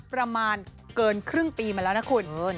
ประมาณเกินครึ่งปีมาแล้วนะคุณ